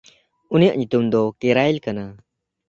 ᱩᱱᱤᱭᱟᱜ ᱧᱩᱛᱩᱢ ᱫᱚ ᱠᱮᱨᱭᱞ ᱠᱟᱱᱟ᱾